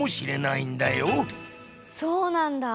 そうなんだ！